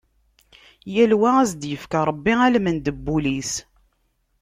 Yal wa, ad as-d-yefk Ṛebbi almend n wul-is.